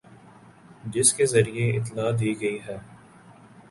جس کے ذریعے اطلاع دی گئی ہے